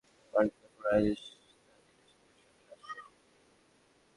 বিপরীত দিকে গুলিস্তান পাতাল মার্কেটের ওপরে রাজধানী রেস্তোরাঁর সামনের রাস্তাটি একেবারেই বন্ধ।